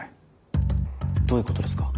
どういうことですか？